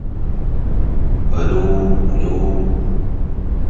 How will this university directly impact your future?